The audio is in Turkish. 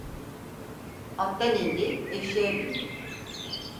Attan indi eşeğe bindi.